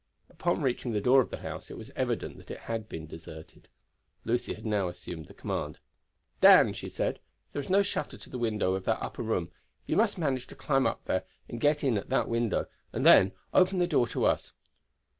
Upon reaching the door of the house it was evident that it had been deserted. Lucy had now assumed the command. "Dan," she said, "there is no shutter to the window of that upper room. You must manage to climb up there and get in at that window, and then open the door to us."